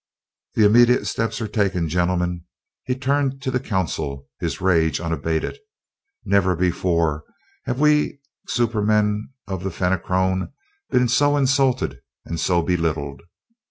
"The immediate steps are taken, gentlemen!" He turned to the Council, his rage unabated. "Never before have we supermen of the Fenachrone been so insulted and so belittled!